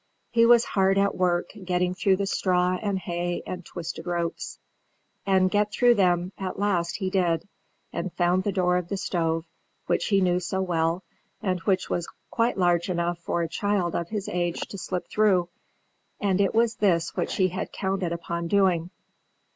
He was hard at work getting through the straw and hay and twisted ropes; and get through them at last he did, and found the door of the stove, which he knew so well, and which was quite large enough for a child of his age to slip through, and it was this which he had counted upon doing.